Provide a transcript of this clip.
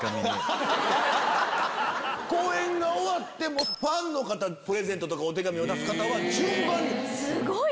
公演が終わってファンの方プレゼントとかお手紙渡す方は順番に。